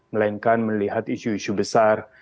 melainkan melihat isu isu besar